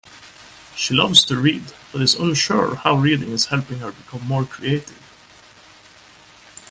She loves to read, but is unsure how reading is helping her become more creative.